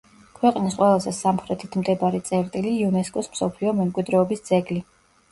ქვეყნის ყველაზე სამხრეთით მდებარე წერტილი, იუნესკოს მსოფლიო მემკვიდრეობის ძეგლი.